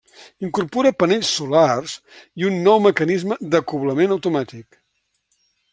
Incorpora panells solars i un nou mecanisme d'acoblament automàtic.